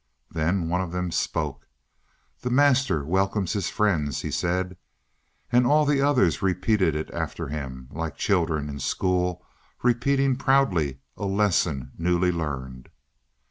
Then one of them spoke. "The Master welcomes his friends," he said. And all the others repeated it after him, like children in school repeating proudly a lesson newly learned.